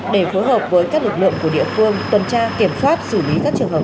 để phối hợp với các lực lượng của địa phương tuần tra kiểm soát xử lý các trường hợp